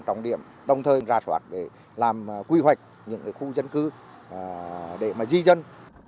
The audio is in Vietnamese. trọng điểm đồng thời ra soát để làm quy hoạch những khu dân cư để di dân